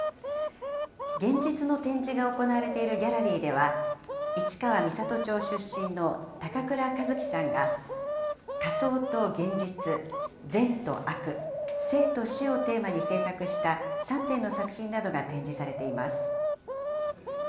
現実の展示が行われているギャラリーでは、市川三郷町出身のたかくらかずきさんが、仮想と現実、善と悪、生と死をテーマに制作した３点の作品などが展示されています。